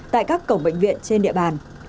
tại các cổng bệnh viện trên địa bàn